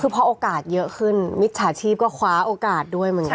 คือพอโอกาสเยอะขึ้นมิจฉาชีพก็คว้าโอกาสด้วยเหมือนกัน